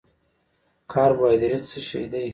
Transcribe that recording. کاربوهایډریټ څه شی دی؟